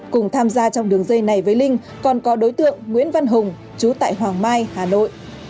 cùng tham gia trong đường dây này với linh còn có đối tượng nguyễn văn hùng chú tại hoàng mai hà nội